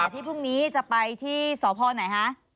ที่พรุ่งนี้จะไปที่สพไหนคะ